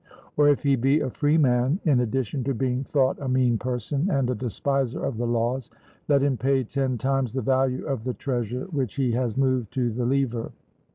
Or if he be a freeman, in addition to being thought a mean person and a despiser of the laws, let him pay ten times the value of the treasure which he has moved to the leaver.